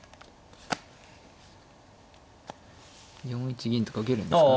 ４一銀とか受けるんですか。